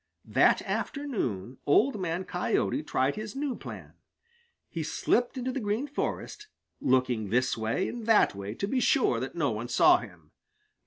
That afternoon Old Man Coyote tried his new plan. He slipped into the Green Forest, looking this way and that way to be sure that no one saw him.